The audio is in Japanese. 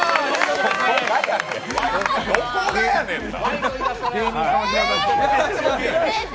これ、どこがやねんな！！